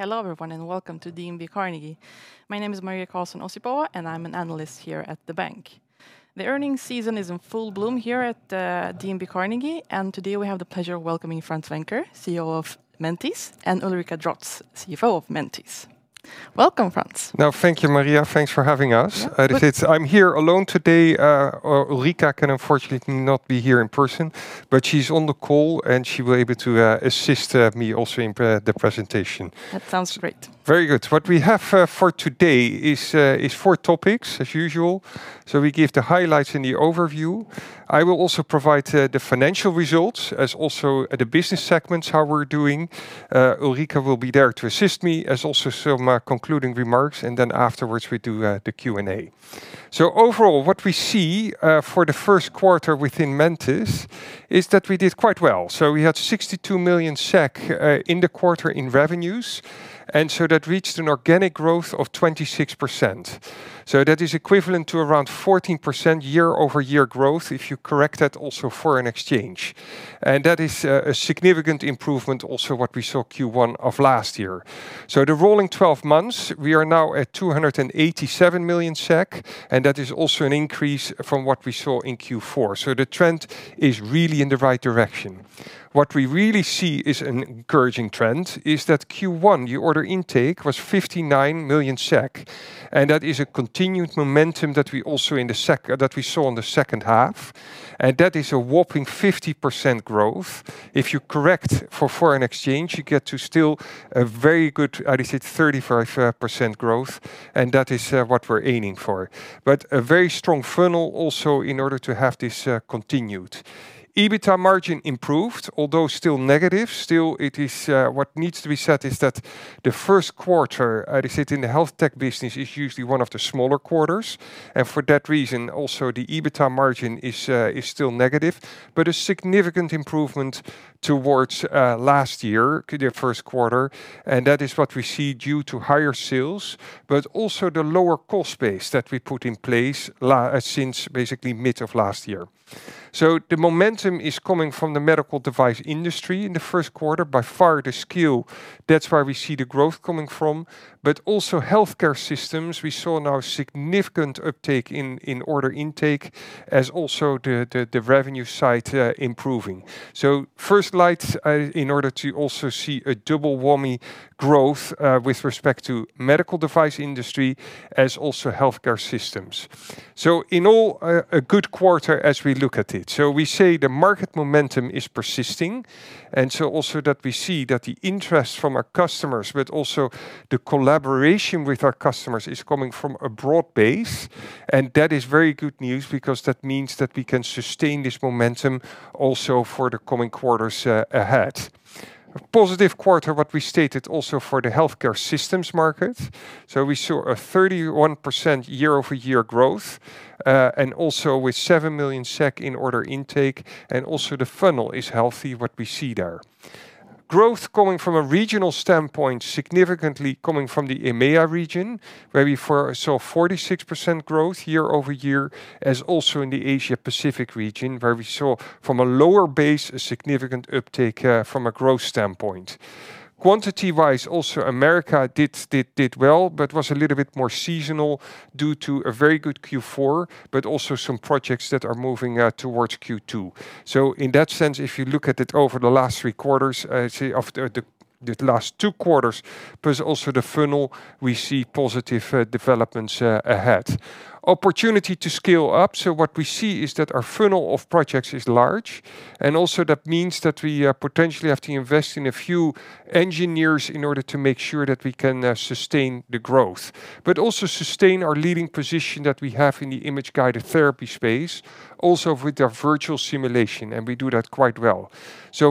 Hello, everyone, and welcome to DNB Carnegie. My name is Maria Karlsson Osipova, and I'm an analyst here at the bank. The earning season is in full bloom here at DNB Carnegie, and today we have the pleasure of welcoming Frans Venker, CEO of Mentice, and Ulrika Drotz, CFO of Mentice. Welcome, Frans. No, thank you, Maria. Thanks for having us. Yeah. Good. I'm here alone today. Ulrika can unfortunately not be here in person, but she's on the call, and she will be able to assist me also in the presentation. That sounds great. Very good. What we have for today is four topics as usual. We give the highlights in the overview. I will also provide the financial results as also at the business segments how we're doing. Ulrika will be there to assist me, as also some concluding remarks. Afterwards we do the Q&A. So, overall, what we see for the first quarter within Mentice is that we did quite well. We had 62 million SEK in the quarter in revenues, that reached an organic growth of 26%. That is equivalent to around 14% year-over-year growth if you correct that also foreign exchange. That is a significant improvement also what we saw Q1 of last year. The rolling 12 months, we are now at 287 million SEK, and that is also an increase from what we saw in Q4. The trend is really in the right direction. What we really see is an encouraging trend is that Q1, the order intake was 59 million SEK, and that is a continued momentum that we also that we saw on the second half. That is a whopping 50% growth. If you correct for foreign exchange, you get to still a very good, I would say, 35% growth, and that is what we're aiming for. A very strong funnel also in order to have this continued. EBITA margin improved, although still negative. Still what needs to be said is that the first quarter, I would say, in the health tech business is usually one of the smaller quarters. For that reason, also the EBITA margin is still negative. A significant improvement towards last year, the first quarter, and that is what we see due to higher sales, but also the lower cost base that we put in place since basically mid of last year. The momentum is coming from the medical device industry in the first quarter by far the scale. That's where we see the growth coming from. Also healthcare systems, we saw now significant uptake in order intake as also the revenue side improving. First light, in order to also see a double whammy growth, with respect to medical device industry as also healthcare systems. In all, a good quarter as we look at it. We say the market momentum is persisting, also that we see that the interest from our customers, but also the collaboration with our customers is coming from a broad base. That is very good news because that means that we can sustain this momentum also for the coming quarters ahead. A positive quarter what we stated also for the healthcare systems market. We saw a 31% year-over-year growth, and also with 7 million SEK in order intake, and also the funnel is healthy what we see there. Growth coming from a regional standpoint, significantly coming from the EMEA region, where we foresaw 46% growth year-over-year, as also in the Asia-Pacific region, where we saw from a lower base a significant uptake from a growth standpoint. Quantity-wise, also America did well, but was a little bit more seasonal due to a very good Q4, but also some projects that are moving towards Q2. In that sense, if you look at it over the last three quarters, say, after the last two quarters, plus also the funnel, we see positive developments share ahead. Opportunity to scale up. What we see is that our funnel of projects is large, and also that means that we potentially have to invest in a few engineers in order to make sure that we can sustain the growth. Also sustain our leading position that we have in the image-guided therapy space, also with our virtual simulation, and we do that quite well.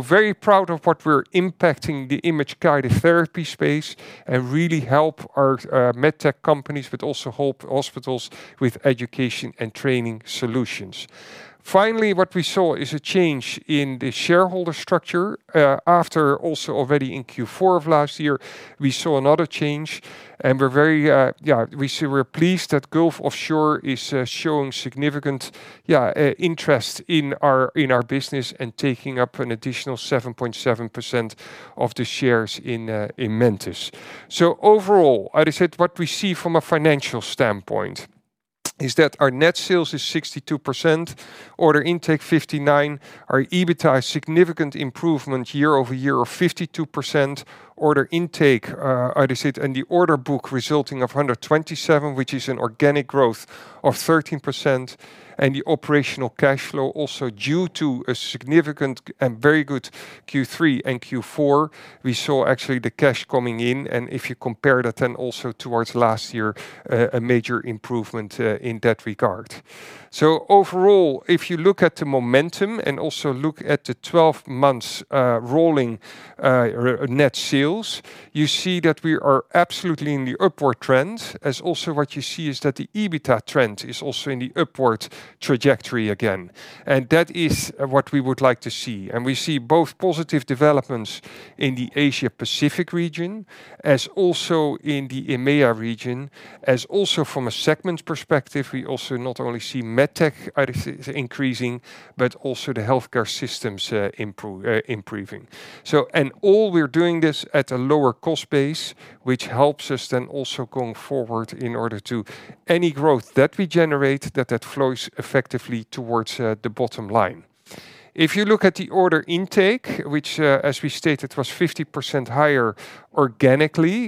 Very proud of what we're impacting the image-guided therapy space and really help our MedTech companies, but also help hospitals with education and training solutions. What we saw is a change in the shareholder structure. After also already in Q4 of last year, we saw another change, and we're very pleased that Gulf Offshore is showing significant interest in our business and taking up an additional 7.7% of the shares in Mentice. Overall, I would say what we see from a financial standpoint is that our net sales is 62%. Order intake 59%. Our EBITDA significant improvement year-over-year of 52%. Order intake, I would say, and the order book resulting of 127, which is an organic growth of 13%. The operational cash flow also due to a significant and very good Q3 and Q4. We saw actually the cash coming in, and if you compare that then also towards last year, a major improvement in that regard. Overall, if you look at the momentum and also look at the 12 months rolling net sales, you see that we are absolutely in the upward trend. As also what you see is that the EBITDA trend is also in the upward trajectory again. That is what we would like to see. We see both positive developments in the Asia Pacific region, as also in the EMEA region. As also from a segments perspective, we also not only see MedTech as increasing, but also the healthcare systems improving. All we're doing this at a lower cost base, which helps us then also going forward in order to any growth that we generate that that flows effectively towards the bottom line. If you look at the order intake, which, as we stated, was 50% higher organically.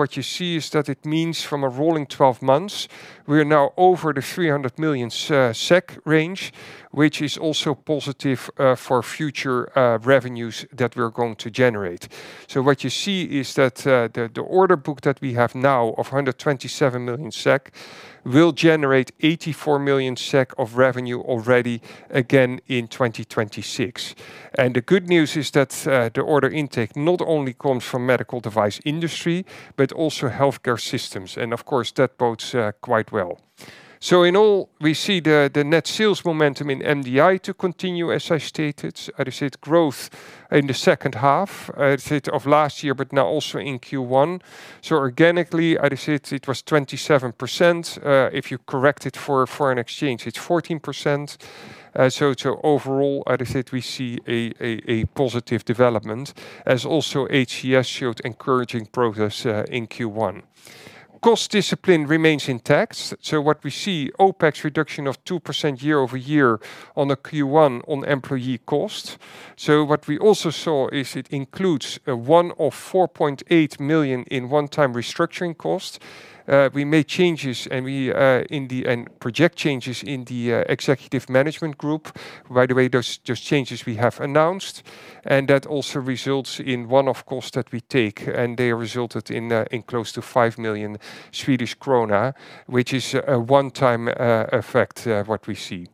What you see is that it means from a rolling 12 months, we are now over the 300 million SEK range, which is also positive for future revenues that we're going to generate. What you see is that the order book that we have now of 127 million SEK will generate 84 million SEK of revenue already again in 2026. The good news is that the order intake not only comes from medical device industry, but also healthcare systems. Of course, that bodes quite well. In all, we see the net sales momentum in MDI to continue, as I stated. I would say its growth in the second half of last year, but now also in Q1. Organically, I would say it was 27%. If you correct it for foreign exchange, it's 14%. Overall, I would say we see a positive development as also HCS showed encouraging progress in Q1. Cost discipline remains intact. What we see, OpEx reduction of 2% year-over-year on the Q1 on employee costs. What we also saw is it includes a one of 4.8 million in one-time restructuring costs. We made changes and we, in the end, project changes in the executive management group. By the way, those changes we have announced, and that also results in one-off costs that we take, and they resulted in close to 5 million Swedish krona, which is a one-time effect of what we see.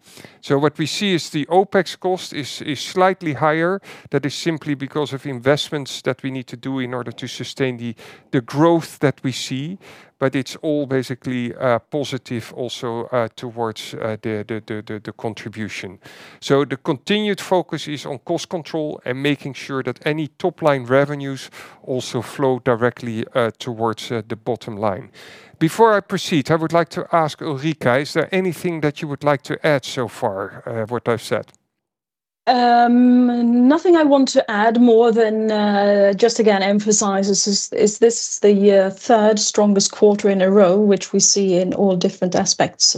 What we see is the OpEx cost is slightly higher. That is simply because of investments that we need to do in order to sustain the growth that we see. It's all basically positive also towards the contribution. The continued focus is on cost control and making sure that any top-line revenues also flow directly towards the bottom line. Before I proceed, I would like to ask Ulrika, is there anything that you would like to add so far, what I've said? Nothing I want to add more than just again emphasize is, this is the year third's strongest quarter in a row, which we see in all different aspects.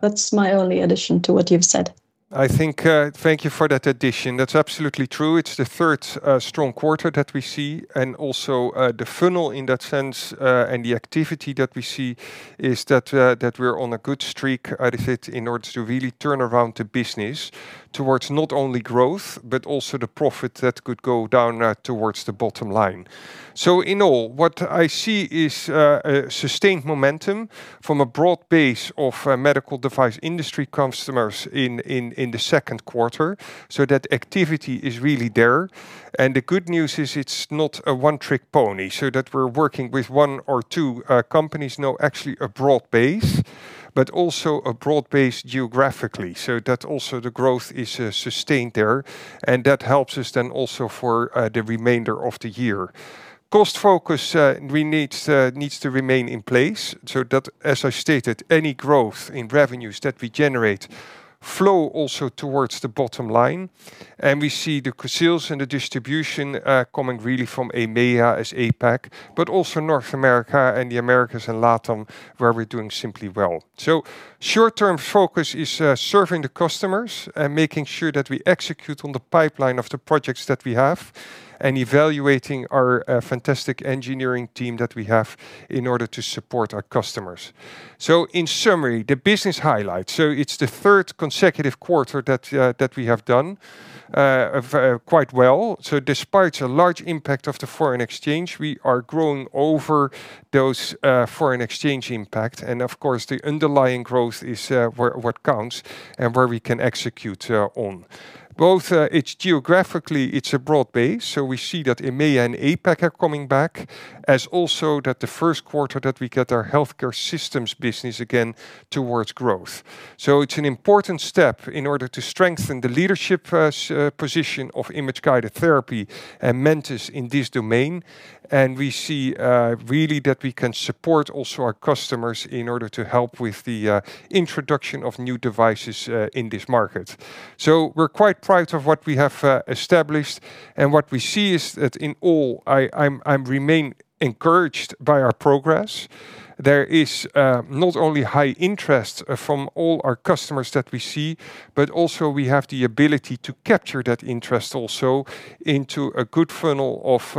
That's my only addition to what you've said. I think, Thank you for that addition. That's absolutely true. It's the third's strong quarter that we see. Also, the funnel in that sense, and the activity that we see is that we're on a good streak, I would say, in order to really turn around the business towards not only growth, but also the profit that could go down towards the bottom line. So in all, what I see is sustained momentum from a broad base of medical device industry customers in the second quarter. That activity is really there. The good news is it's not a one-trick pony, so that we're working with one or two companies. No, actually a broad base, but also a broad base geographically. That also the growth is sustained there, and that helps us then also for the remainder of the year. Cost focus needs to remain in place so that, as I stated, any growth in revenues that we generate flow also towards the bottom line. We see the sales and the distribution coming really from EMEA, APAC, but also North America and the Americas and LATAM, where we're doing simply well. Short-term focus is serving the customers and making sure that we execute on the pipeline of the projects that we have and evaluating our fantastic engineering team that we have in order to support our customers. In summary, the business highlights. It's the third consecutive quarter that we have done quite well. Despite a large impact of the foreign exchange, we are growing over those foreign exchange impact. Of course, the underlying growth is what counts and where we can execute on. Both, it's geographically, it's a broad base. We see that EMEA and APAC are coming back, as also that the first quarter that we get our healthcare systems business again towards growth. It's an important step in order to strengthen the leadership position of image-guided therapy and Mentice in this domain. We see really that we can support also our customers in order to help with the introduction of new devices in this market. We're quite proud of what we have established. What we see is that in all, I remain encouraged by our progress. There is not only high interest from all our customers that we see, but also we have the ability to capture that interest also into a good funnel of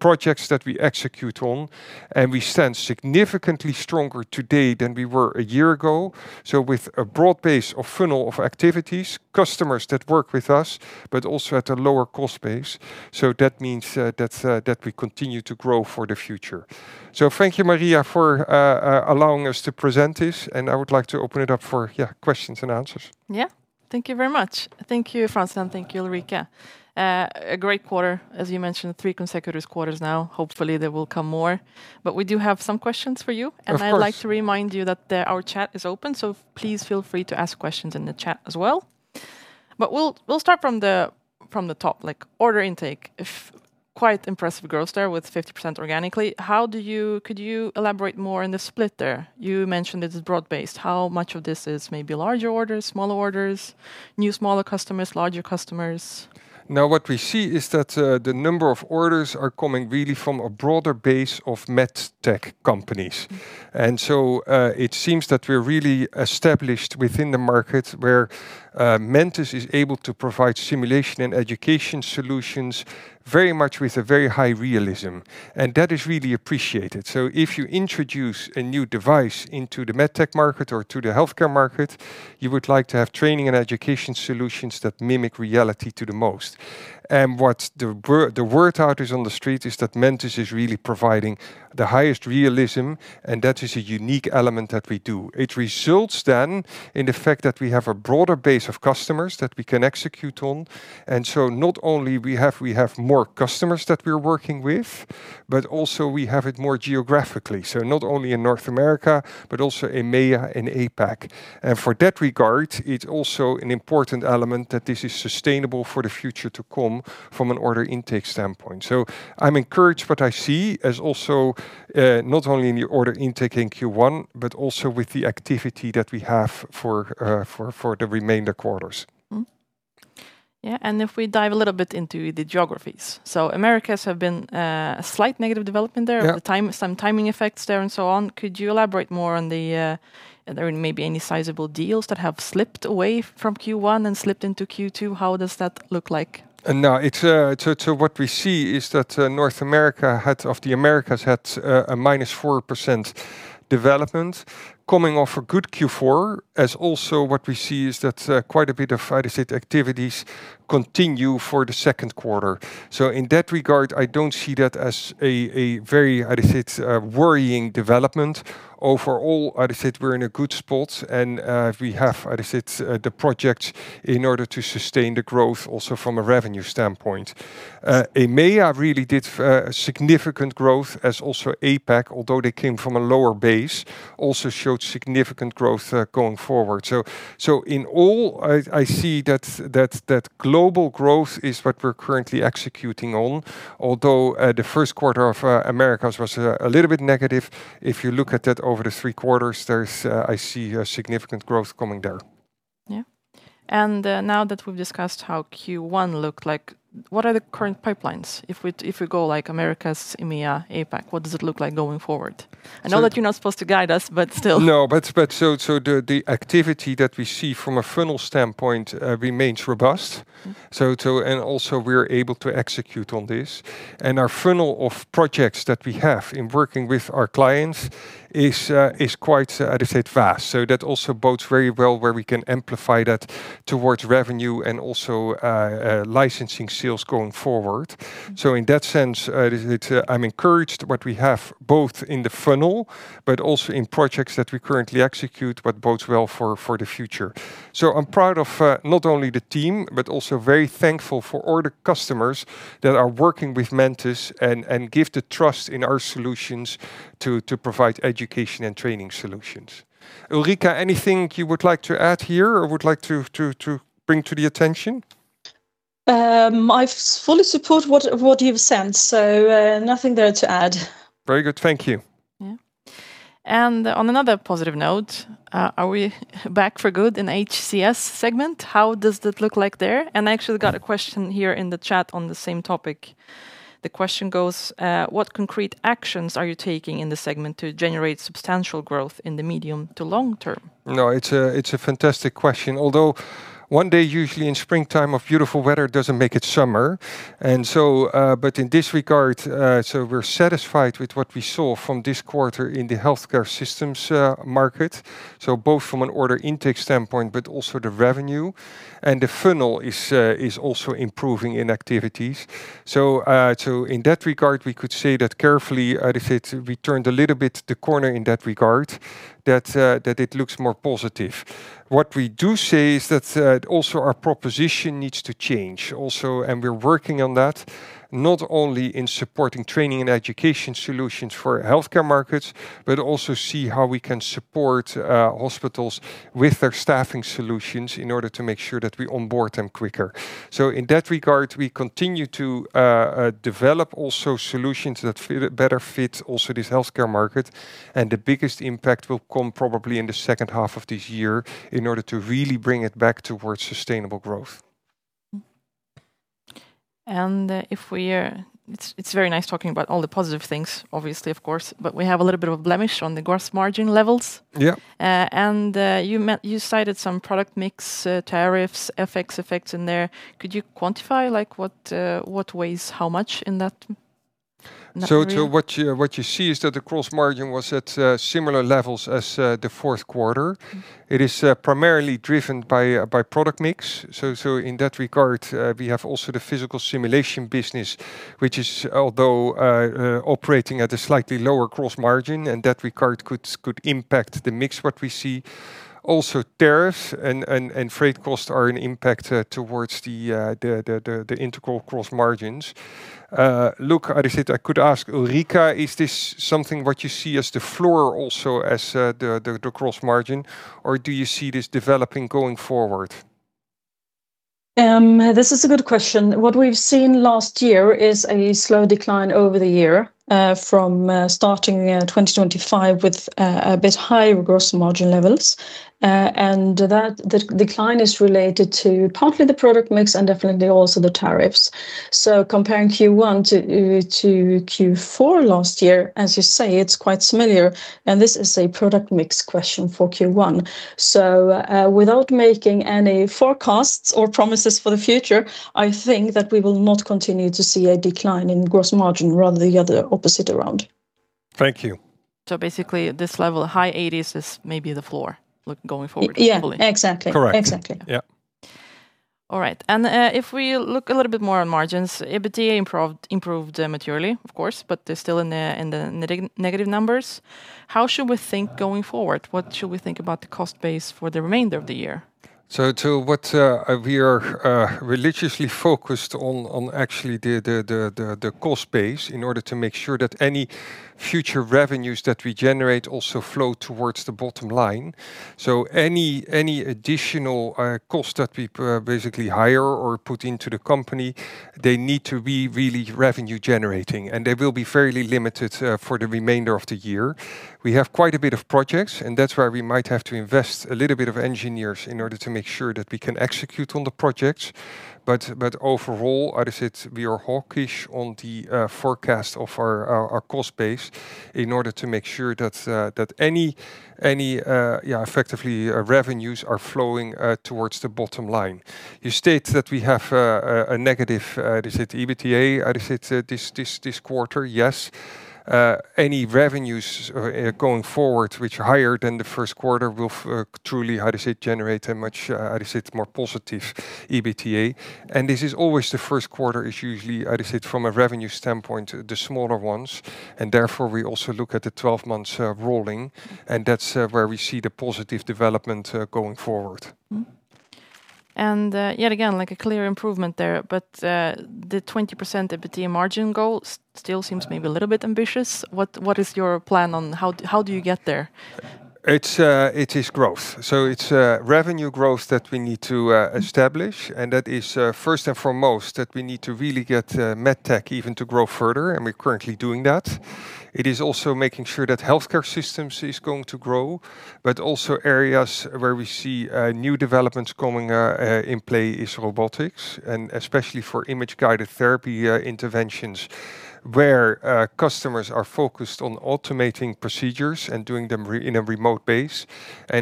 projects that we execute on. We stand significantly stronger today than we were a year ago. With a broad base of funnel of activities, customers that work with us, but also at a lower cost base. That means that we continue to grow for the future. Thank you, Maria, for allowing us to present this, and I would like to open it up for, yeah, questions and answers. Yeah. Thank you very much. Thank you, Frans, and thank you, Ulrika. A great quarter, as you mentioned, three consecutive quarters now. Hopefully, there will come more. We do have some questions for you. Of course. I'd like to remind you that our chat is open, so please feel free to ask questions in the chat as well. We'll start from the top, like order intake. If quite impressive growth there with 50% organically, could you elaborate more on the split there? You mentioned it's broad-based. How much of this is maybe larger orders, smaller orders, new smaller customers, larger customers? What we see is that, the number of orders are coming really from a broader base of MedTech companies. It seems that we're really established within the market where Mentice is able to provide simulation and education solutions very much with a very high realism, and that is really appreciated. If you introduce a new device into the MedTech market or to the healthcare market, you would like to have training and education solutions that mimic reality to the most. The word out on the street is that Mentice is really providing the highest realism, and that is a unique element that we do. It results then in the fact that we have a broader base of customers that we can execute on. Not only we have more customers that we're working with, but also we have it more geographically, so not only in North America, but also in EMEA and APAC. For that regard, it's also an important element that this is sustainable for the future to come from an order intake standpoint. I'm encouraged what I see as also, not only in the order intake in Q1, but also with the activity that we have for the remainder quarters. Yeah, if we dive a little bit into the geographies. Americas have been a slight negative development there. Yeah With the time, some timing effects there, and so on. Could you elaborate more on the, are there maybe any sizable deals that have slipped away from Q1 and slipped into Q2? How does that look like? No, it's what we see is that North America had, of the Americas, had a minus 4% development coming off a good Q4. What we see is that quite a bit of, how do you say, activities continue for the second quarter. In that regard, I don't see that as a very, how do you say, worrying development. Overall, how do you say, we're in a good spot, and we have, how do you say, the projects in order to sustain the growth also from a revenue standpoint. In EMEA really did a significant growth as also APAC, although they came from a lower base, also showed significant growth going forward. In all, I see that global growth is what we're currently executing on. Although, the first quarter of Americas was a little bit negative. If you look at that over the three quarters, there's I see a significant growth coming there. Yeah. Now that we've discussed how Q1 looked like, what are the current pipelines if we go like Americas, EMEA, APAC? What does it look like going forward? So I know that you're not supposed to guide us, but still. No, but still the activity that we see from a funnel standpoint, remains robust. Also we're able to execute on this, and our funnel of projects that we have in working with our clients is quite, how do you say, vast. That also bodes very well where we can amplify that towards revenue and also licensing sales going forward. In that sense, I'm encouraged what we have both in the funnel but also in projects that we currently execute what bodes well for the future. I'm proud of not only the team but also very thankful for all the customers that are working with Mentice and give the trust in our solutions to provide education and training solutions. Ulrika, anything you would like to add here or would like to bring to the attention? I fully support what you've said, so nothing there to add. Very good. Thank you. Yeah. On another positive note, are we back for good in HCS segment? How does that look like there? I actually got a question here in the chat on the same topic. The question goes, "What concrete actions are you taking in the segment to generate substantial growth in the medium to long term? No, it's a fantastic question. Although one day usually in springtime of beautiful weather doesn't make it summer. In this regard, we're satisfied with what we saw from this quarter in the healthcare systems market, both from an order intake standpoint but also the revenue, and the funnel is also improving in activities. In that regard, we could say that carefully, how do you say, we turned a little bit the corner in that regard, that it looks more positive. What we do say is that also our proposition needs to change also, and we're working on that, not only in supporting training and education solutions for healthcare markets, but also see how we can support hospitals with their staffing solutions in order to make sure that we onboard them quicker. In that regard, we continue to develop also solutions that better fit also this healthcare market, and the biggest impact will come probably in the second half of this year in order to really bring it back towards sustainable growth. It's very nice talking about all the positive things, obviously, of course, but we have a little bit of a blemish on the gross margin levels. Yeah. You cited some product mix, tariffs, FX effects in there. Could you quantify, what weighs how much in that? What you see is that the gross margin was at similar levels as the fourth quarter. It is primarily driven by product mix. In that regard, we have also the physical simulation business, which is although operating at a slightly lower gross margin, and that regard could impact the mix what we see. Also tariff and freight costs are an impact towards the integral gross margins. Look, how do you say it? I could ask Ulrika, is this something what you see as the floor also as the gross margin, or do you see this developing going forward? This is a good question. What we've seen last year is a slow decline over the year, from starting 2025 with a bit higher gross margin levels. And that decline is related to partly the product mix and definitely also the tariffs. Comparing Q1 to Q4 last year, as you say, it's quite similar, and this is a product mix question for Q1. Without making any forecasts or promises for the future, I think that we will not continue to see a decline in gross margin, rather the other opposite around. Thank you. Basically this level, high 80's is maybe the floor look going forward, hopefully. Yeah, exactly. Correct. Exactly. Yeah. All right. If we look a little bit more on margins, EBITDA improved there materially, of course, but they're still in the negative numbers. How should we think going forward? What should we think about the cost base for the remainder of the year? To what we are religiously focused on actually the cost base in order to make sure that any future revenues that we generate also flow towards the bottom line. Any additional cost that we basically hire or put into the company, they need to be really revenue generating, and they will be fairly limited for the remainder of the year. We have quite a bit of projects, and that's where we might have to invest a little bit of engineers in order to make sure that we can execute on the projects. Overall, how do you say it? We are hawkish on the forecast of our cost base in order to make sure that effectively revenues are flowing towards the bottom line. You state that we have a negative, how do you say it? EBITDA, how do you say it? This quarter. Yes. Any revenues going forward which are higher than the first quarter will truly, how do you say it? Generate a much, how do you say it? More positive EBITDA. This is always the first quarter is usually, how do you say it? From a revenue standpoint, the smaller ones, therefore we also look at the 12 months rolling, and that's where we see the positive development going forward. Yet again, like a clear improvement there, but the 20% EBITDA margin goal still seems maybe a little bit ambitious. What is your plan on how do you get there? It's, it is growth. It's revenue growth that we need to establish, and that is first and foremost, that we need to really get MedTech even to grow further, and we're currently doing that. It is also making sure that healthcare systems is going to grow. Also areas where we see new developments coming in play is robotics, and especially for image-guided therapy interventions where customers are focused on automating procedures and doing them in a remote base.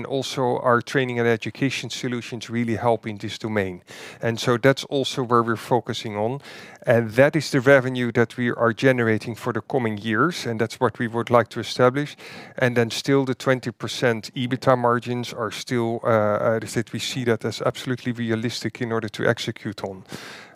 Also our training and education solutions really help in this domain. That's also where we're focusing on, and that is the revenue that we are generating for the coming years, and that's what we would like to establish. Still the 20% EBITDA margins are still, how do you say it? We see that as absolutely realistic in order to execute on.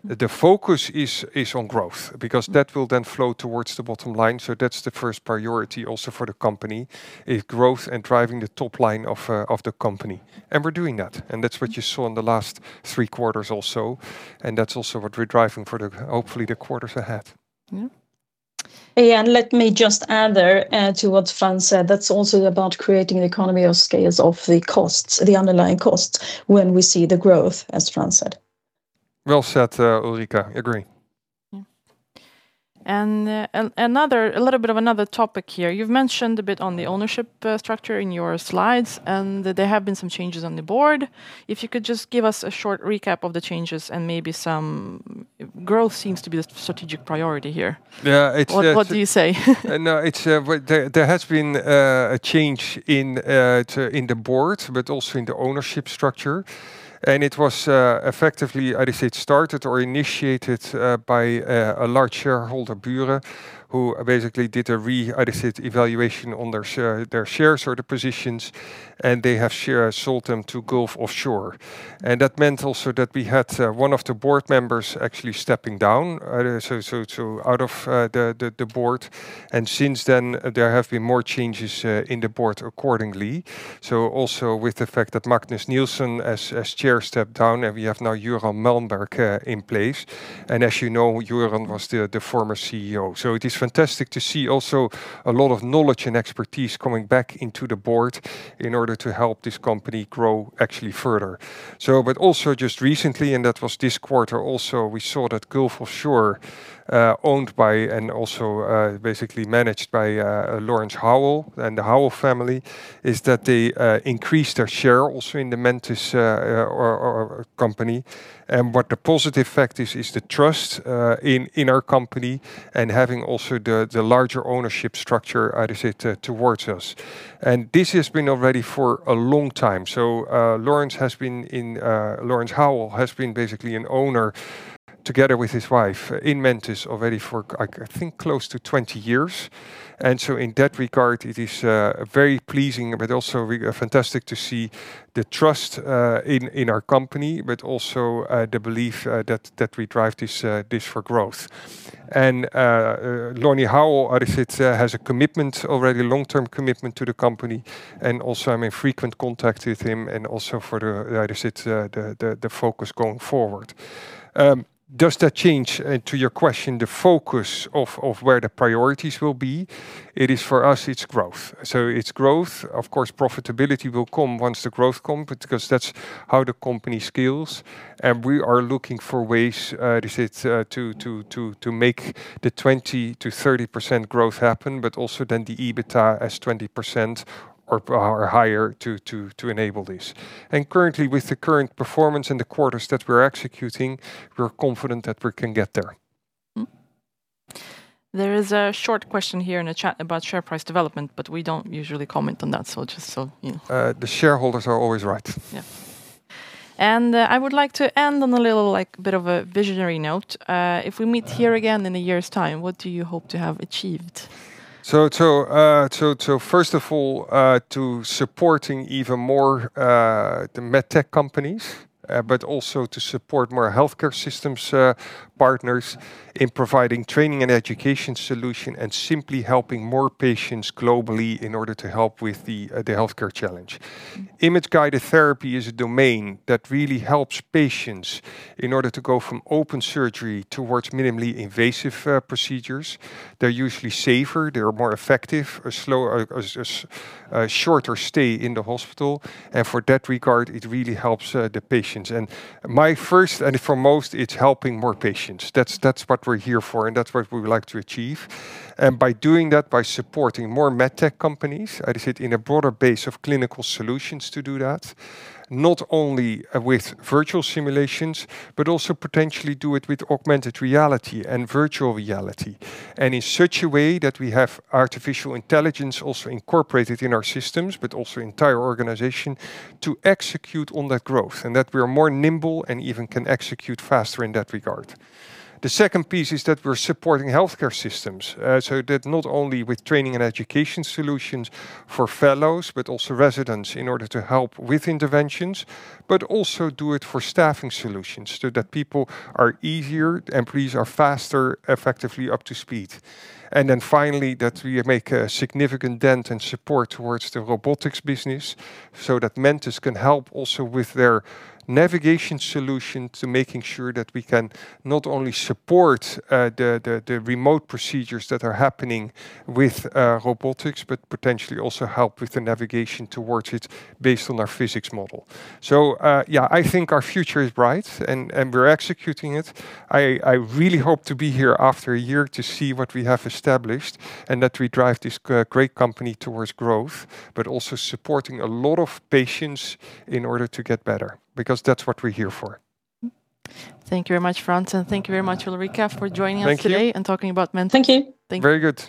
The focus is on growth because that will then flow towards the bottom line. That's the first priority also for the company, is growth and driving the top line of the company. We're doing that, and that's what you saw in the last three quarters also, and that's also what we're driving for the, hopefully the quarters ahead. Yeah. Let me just add there, to what Frans said, that's also about creating economy of scales of the costs, the underlying costs when we see the growth, as Frans said. Well said, Ulrika. Agree. Yeah. another, a little bit of another topic here. You've mentioned a bit on the ownership, structure in your slides, and there have been some changes on the board. If you could just give us a short recap of the changes and maybe some growth seems to be the strategic priority here? Yeah, it's. What do you say? No, it's, well, there has been a change in the board, but also in the ownership structure. It was effectively, how do you say it? Started or initiated by a large shareholder, Bure, who basically did an evaluation on their shares or the positions, and they have share sold them to Gulf Offshore. That meant also that we had one of the board members actually stepping down, so out of the board. Since then, there have been more changes in the board accordingly. Also with the fact that Magnus Nilsson as Chair stepped down, and we have now Göran Malmberg in place. As you know, Göran was the former CEO. It is fantastic to see also a lot of knowledge and expertise coming back into the board in order to help this company grow actually further. But also just recently, and that was this quarter also, we saw that Gulf Offshore, owned by and also, basically managed by, Lawrence Howell and the Howell family, is that they increased their share also in the Mentice company. What the positive effect is the trust in our company and having also the larger ownership structure, how do you say it? Towards us. This has been already for a long time. Lawrence Howell has been basically an owner together with his wife, in Mentice already for, like, I think close to 20 years. In that regard, it is very pleasing, but also fantastic to see the trust in our company, but also the belief that we drive this for growth. Lonnie Howell has a commitment already, long-term commitment to the company, and also I'm in frequent contact with him, and also for the, like I said, the focus going forward. Does that change? To your question, the focus of where the priorities will be, it is for us it's growth. It's growth. Of course, profitability will come once the growth come, because that's how the company scales. We are looking for ways to make the 20%-30% growth happen, but also then the EBITDA as 20% or higher to enable this. Currently, with the current performance in the quarters that we're executing, we're confident that we can get there. There is a short question here in the chat about share price development, but we don't usually comment on that, so just so, you know. The shareholders are always right. Yeah. And I would like to end on a little bit of a visionary note. If we meet here again in a year's time, what do you hope to have achieved? First of all, to supporting even more the MedTech companies, but also to support more healthcare systems partners in providing training and education solution and simply helping more patients globally in order to help with the healthcare challenge. Image-guided therapy is a domain that really helps patients in order to go from open surgery towards minimally invasive procedures. They're usually safer, they're more effective, a shorter stay in the hospital. For that regard, it really helps the patients. My first and foremost, it's helping more patients. That's what we're here for, and that's what we would like to achieve. By doing that, by supporting more MedTech companies, I'd say in a broader base of clinical solutions to do that, not only with virtual simulations, but also potentially do it with augmented reality and virtual reality. In such a way that we have artificial intelligence also incorporated in our systems, but also entire organization to execute on that growth, and that we are more nimble and even can execute faster in that regard. The second piece is that we're supporting healthcare systems, so that not only with training and education solutions for fellows but also residents in order to help with interventions, but also do it for staffing solutions so that people are easier, employees are faster, effectively up to speed. Finally, that we make a significant dent and support towards the robotics business so that Mentice can help also with their navigation solution to making sure that we can not only support the remote procedures that are happening with robotics, but potentially also help with the navigation towards it based on our physics model. Yeah, I think our future is bright and we're executing it. I really hope to be here after a year to see what we have established and that we drive this great company towards growth, but also supporting a lot of patients in order to get better, because that's what we're here for. Thank you very much, Frans, and thank you very much, Ulrika, for joining us today. Thank you. Talking about Mentice. Thank you. Very good.